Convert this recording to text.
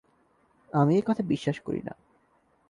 আমি এ-কথা বিশ্বাস করি না।